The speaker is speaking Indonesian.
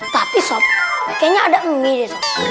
tapi sob kayaknya ada mie deh sob